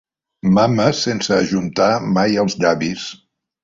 Mames sense ajuntar mai els llavis.